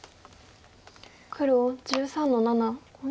黒１３の七。